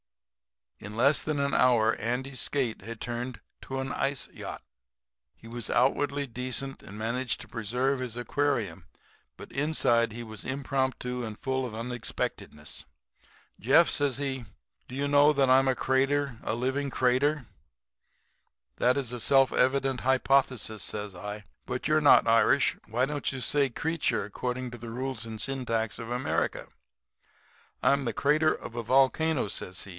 "In less than an hour Andy's skate had turned to an ice yacht. He was outwardly decent and managed to preserve his aquarium, but inside he was impromptu and full of unexpectedness. "'Jeff,' says he, 'do you know that I'm a crater a living crater?' "'That's a self evident hypothesis,' says I. 'But you're not Irish. Why don't you say 'creature,' according to the rules and syntax of America?' "'I'm the crater of a volcano,' says he.